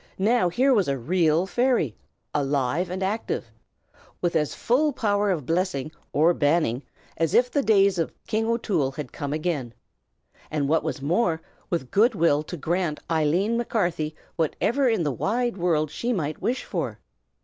now, here was a real fairy, alive and active, with as full power of blessing or banning as if the days of King O'Toole had come again, and what was more, with good will to grant to Eileen Macarthy whatever in the wide world she might wish for!